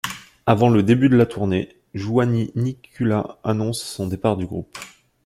Avant le début de la tournée, Jouni Nikula annonce son départ du groupe.